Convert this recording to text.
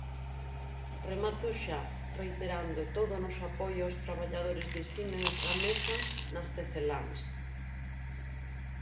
Remato xa, reiterando todo o noso apoio aos traballadores de Siemens-Gamesa, nas Teceláns.